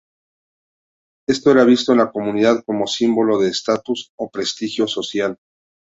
Esto era visto en la comunidad como símbolo de estatus o prestigio social.